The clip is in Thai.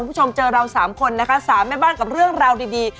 คุณผู้ชมเจอเราสามคนนะคะสามแม่บ้านกับเรื่องราวดี